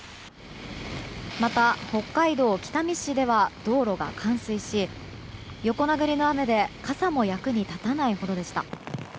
また、北海道北見市では道路が冠水し横殴りの雨で傘も役に立たないほどでした。